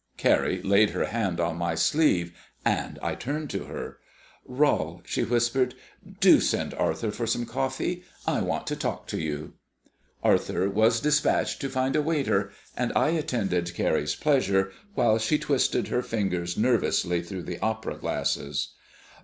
Carrie laid her hand on my sleeve, and I turned to her. "Rol," she whispered, "do send Arthur for some coffee. I want to talk to you." Arthur was despatched to find a waiter, and I attended Carrie's pleasure while she twisted her fingers nervously through the opera glasses.